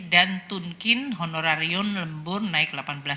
dan tunkin honorarium lembur naik delapan belas lima